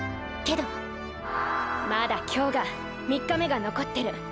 まだ今日が３日目が残ってる。